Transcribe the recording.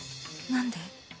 何で